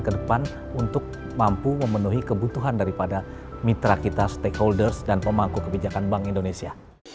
ke depan untuk mampu memenuhi kebutuhan daripada mitra kita stakeholders dan pemangku kebijakan bank indonesia